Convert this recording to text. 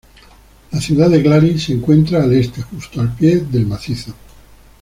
La ciudad de Glaris se encuentra al este, justo al pie del macizo.